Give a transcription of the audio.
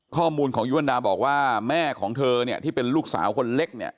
ข้อมูลของยุวรรณดาบอกว่าแม่ของเธอเนี่ยที่เป็นลูกสาวคนเล็กเนี่ย